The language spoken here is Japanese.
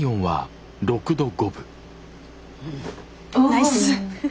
ナイス。